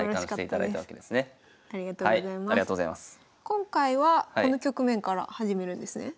今回はこの局面から始めるんですね？